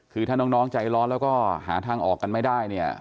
คือถ้าน้องใจร้อนแล้วก็หาทางออกกันไม่ได้เนี่ย